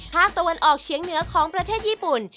ภาคตะวันออกเฉียงเหนือของประเทศญี่ปุ่น